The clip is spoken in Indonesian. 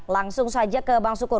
langsung saja ke bang sukur